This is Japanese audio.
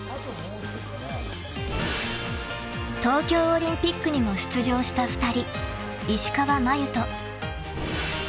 ［東京オリンピックにも出場した２人］